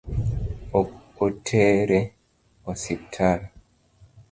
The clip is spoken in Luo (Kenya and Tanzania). Ok otere osiptal?